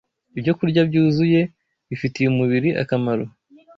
ibyokurya byuzuye bifitiye umubiri akamaro